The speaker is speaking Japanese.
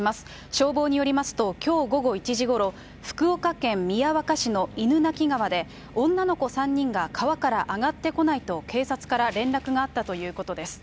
消防によりますと、きょう午後１時ごろ、福岡県宮若市の犬鳴川で、女の子３人が川から上がってこないと警察から連絡があったということです。